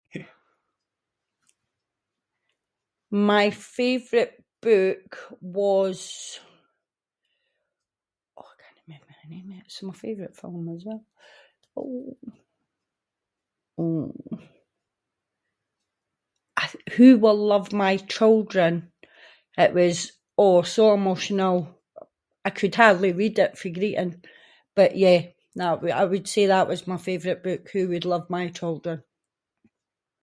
My favourite book was- oh I cannae remember the name of it, it’s my favourite film as well- [inc] I- who will love my children, it was – oh, so emotional, I could hardly read it fae greeting. But yeah nah- I- I would say that was my favourite book, who would love my children.